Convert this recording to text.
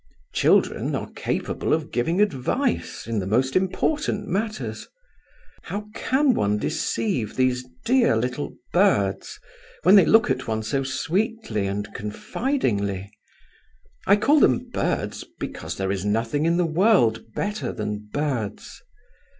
Children are capable of giving advice in the most important matters. How can one deceive these dear little birds, when they look at one so sweetly and confidingly? I call them birds because there is nothing in the world better than birds!